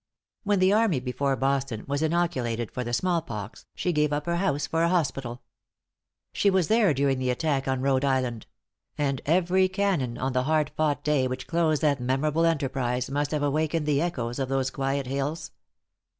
When the army before Boston was inoculated for the smallpox, she gave up her house for a hospital. She was there during the attack on Rhode Island; and every cannon on the hard fought day which closed that memorable enterprise, must have awakened the echoes of those quiet hills.